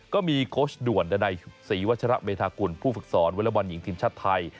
ก็มีโคชด่วนในสีวัชรับเมธากุลผู้ฝึกศรวิลบอนหญิงทีมชาตรไทย